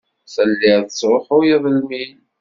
Telliḍ tesṛuḥuyeḍ lmil.